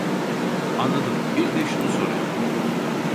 Anladım bir de şunu soracaktım